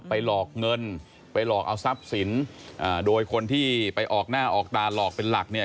หลอกเงินไปหลอกเอาทรัพย์สินอ่าโดยคนที่ไปออกหน้าออกตาหลอกเป็นหลักเนี่ย